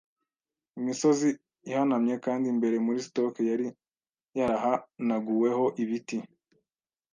Imisozi ihanamye kandi imbere muri stock yari yarahanaguweho ibiti